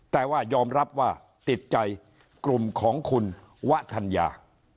แต่ว่ายอมรับว่าติดใจกลุ่มของคุณวะธัญญา